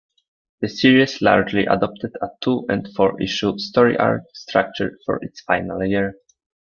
The series largely adopted a two- and four-issue story-arc structure for its final year.